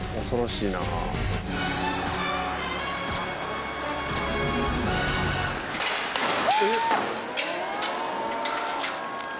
恐ろしいな。